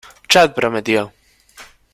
Chad prometió!